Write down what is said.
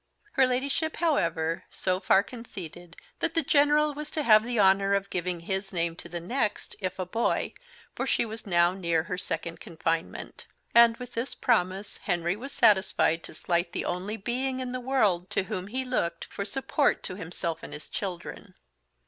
Her Ladyship, however, so far conceded that the General was to have the honour of giving his name to the next, if a boy, for she was now near her second confinement; and, with this promise Henry was satisfied to slight the only being in the world to whom he looked for support to himself and his children.